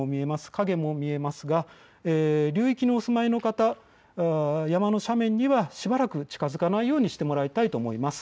影も見えますが流域にお住まいの方、山の斜面にはしばらく近づかないようにしてもらいたいと思います。